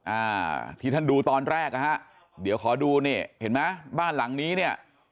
อ่าที่ท่านดูตอนแรกนะฮะเดี๋ยวขอดูนี่เห็นไหมบ้านหลังนี้เนี่ย